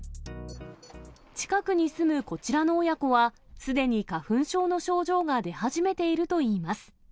近くに住むこちらの親子は、すでに花粉症の症状が出始めているといいます。